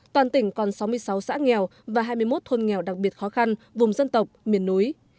toàn tỉnh còn sáu mươi sáu xã nghèo và hai mươi một thôn nghèo đặc biệt khó khăn vùng dân tộc miền núi